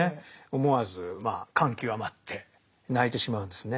思わず感極まって泣いてしまうんですね。